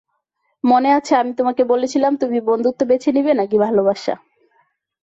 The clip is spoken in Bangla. মনে আছে, আমি তোমাকে বলেছিলাম, তুমি বন্ধুত্ব বেছে নিবে নাকি ভালোবাসা?